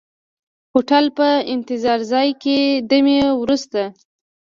د هوټل په انتظار ځای کې دمې وروسته.